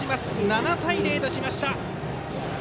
７対０としました。